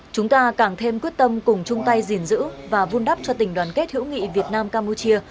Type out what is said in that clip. chúng ta càng thêm quyết tâm cùng chung tay gìn giữ và vun đắp cho tình đoàn kết hữu nghị việt nam campuchia